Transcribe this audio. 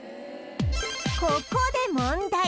ここで問題！